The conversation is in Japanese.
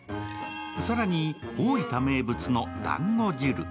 更に大分名物のだんご汁。